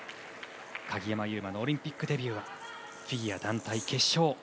鍵山優真のオリンピックデビューはフィギュア団体決勝